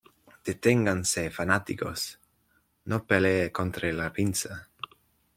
¡ Deténganse, fanáticos! No pelee contra la pinza.